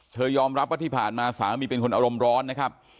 ยอมรับว่าที่ผ่านมาสามีเป็นคนอารมณ์ร้อนนะครับ